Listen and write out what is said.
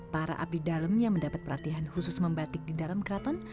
para abdi dalam yang mendapat perhatian khusus membatik di dalam keraton